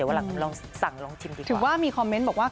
เดี๋ยวลองสั่งลองชิมดีกว่า